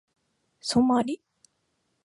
ソマリ